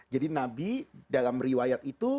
jadi nabi dalam riwayat itu